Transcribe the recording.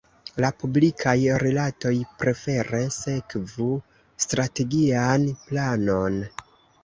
La publikaj rilatoj prefere sekvu strategian planon.